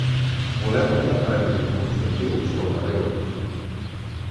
Volem un referèndum consultiu sobre l’euro.